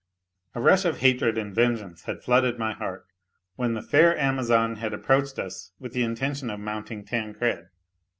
A rush of hatred and vengeance had flooded my heart, when the fair Amazon had approached us with the intention of mounting Tancred.